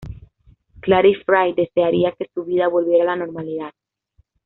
Clary Fray desearía que su vida volviera a la normalidad.